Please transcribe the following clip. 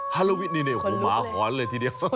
หมาหอนเลยทีเดียว